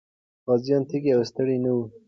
غازيان تږي او ستړي نه وو.